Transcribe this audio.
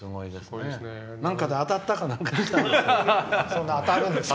なんかで当たったかなんかしたんですかね。